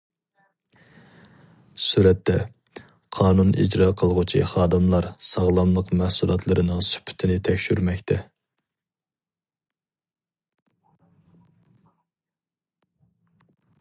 سۈرەتتە: قانۇن ئىجرا قىلغۇچى خادىملار ساغلاملىق مەھسۇلاتلىرىنىڭ سۈپىتىنى تەكشۈرمەكتە.